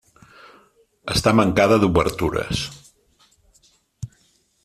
Està mancada d'obertures.